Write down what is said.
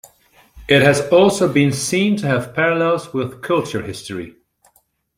It has also been seen to have parallels with culture history.